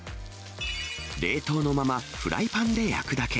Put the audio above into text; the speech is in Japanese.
冷凍のまま、フライパンで焼くだけ。